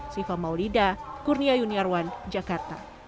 siva maulida kurnia yuniarwan jakarta